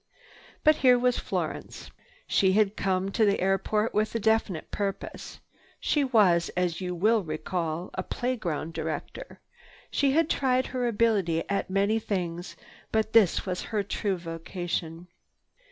But here was Florence. She had come to the airport with a definite purpose. She was, as you will recall, a playground director. She had tried her ability at many things, but this was her true vocation.